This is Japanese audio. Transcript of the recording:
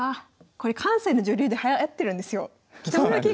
これ関西の女流ではやってるんですよ。